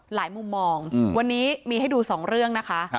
หลายมุมมองอืมวันนี้มีให้ดูสองเรื่องนะคะครับ